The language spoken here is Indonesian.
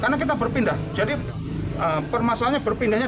karena kita berpindah jadi permasalahannya berpindahnya